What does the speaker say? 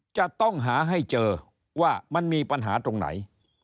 จะต้องหาให้เจอว่ามันมีปัญหาตรงไหน